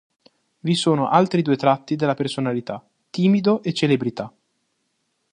Vi sono altri due tratti della personalità: timido e celebrità.